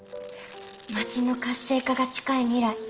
街の活性化が近い未来